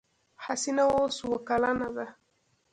حسينه اوس اوه کلنه ده.